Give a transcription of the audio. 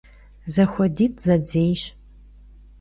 Zexuedit' zedzêyş.